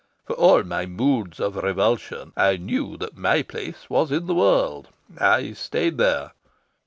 For all my moods of revulsion, I knew that my place was in the world. I stayed there."